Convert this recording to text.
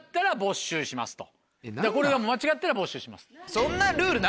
これが間違ったら没収しますと。